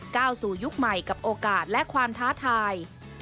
ก้าวสู่ยุคใหม่กับโอกาสและความท้าทาย